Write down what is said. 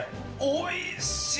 おいしい！